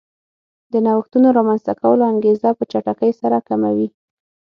د نوښتونو رامنځته کولو انګېزه په چټکۍ سره کموي